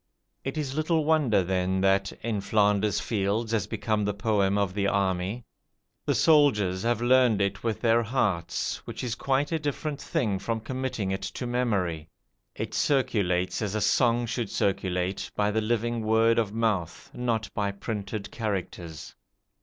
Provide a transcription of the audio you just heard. It is little wonder then that "In Flanders Fields" has become the poem of the army. The soldiers have learned it with their hearts, which is quite a different thing from committing it to memory. It circulates, as a song should circulate, by the living word of mouth, not by printed characters.